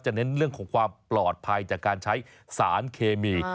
เน้นเรื่องของความปลอดภัยจากการใช้สารเคมี